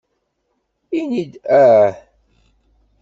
Ini-d "aah".